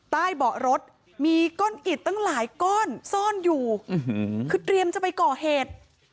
ใต้เบาะรถมีก้อนอิดตั้งหลายก้อนซ่อนอยู่คือเตรียมจะไปก่อเหตุ